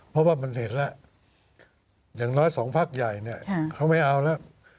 เพราะว่ามันเห็นแล้วอย่างน้อยสองพักใหญ่เนี่ยเขาไม่เอาแล้ว